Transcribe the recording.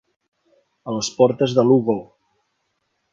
A les portes de Lugo.